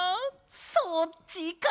そっちか！